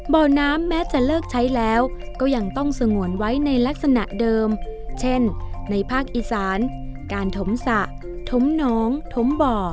บ่อน้ำแม้จะเลิกใช้แล้วก็ยังต้องสงวนไว้ในลักษณะเดิมเช่นในภาคอีสานการถมสระถมหนองถมบ่อ